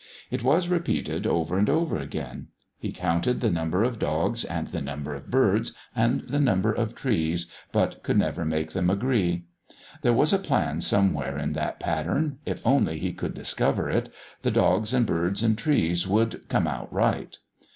It was repeated over and over again. He counted the number of dogs, and the number of birds, and the number of trees, but could never make them agree. There was a plan somewhere in that pattern; if only he could discover it, the dogs and birds and trees would "come out right."